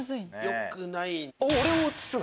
よくないね。